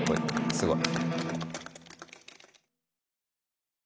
すごい。